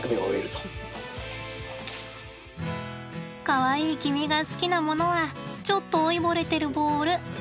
かわいい君が好きなものはちょっと老いぼれてるボールってわけなのね。